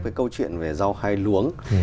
cái câu chuyện về rau hay luống